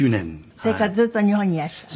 それからずっと日本にいらしたの？